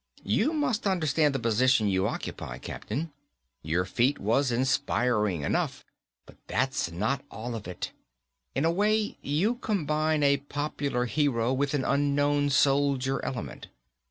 "You must understand the position you occupy, Captain. Your feat was inspiring enough, but that's not all of it. In a way you combine a popular hero with an Unknown Soldier element.